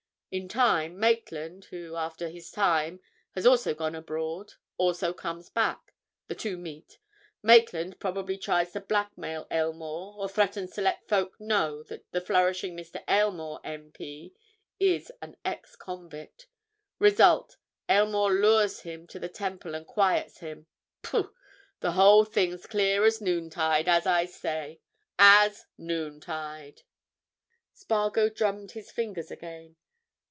In time, Maitland, who, after his time, has also gone abroad, also comes back. The two meet. Maitland probably tries to blackmail Aylmore or threatens to let folk know that the flourishing Mr. Aylmore, M.P., is an ex convict. Result—Aylmore lures him to the Temple and quiets him. Pooh!—the whole thing's clear as noontide, as I say. As—noontide!" Spargo drummed his fingers again.